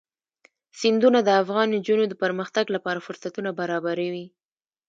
سیندونه د افغان نجونو د پرمختګ لپاره فرصتونه برابروي.